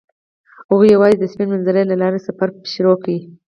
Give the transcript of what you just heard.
هغوی یوځای د سپین منظر له لارې سفر پیل کړ.